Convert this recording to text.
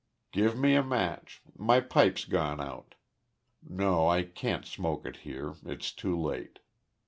"Give me a match my pipe's gone out. No, I can't smoke it here; it's too late.